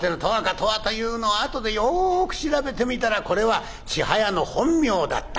『とは』というのは後でよく調べてみたらこれは千早の本名だった」。